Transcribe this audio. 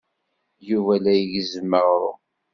Yuba la igezzem aɣrum.